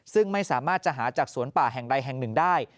ซึ่งไม่สามารถจะหาจากสวนป่าแห่งใดแห่งหนึ่งได้